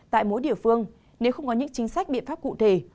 tại mỗi địa phương nếu không có những chính sách biện pháp cụ thể